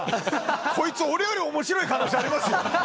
こいつ、俺よりおもしろい可能性ありますよ。